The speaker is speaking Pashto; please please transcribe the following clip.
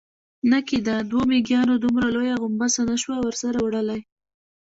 نه کېده، دوو مېږيانو دومره لويه غومبسه نه شوای ورسره وړلای.